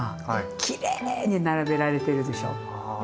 きれいに並べられてるでしょ？